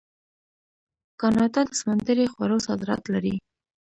کاناډا د سمندري خوړو صادرات لري.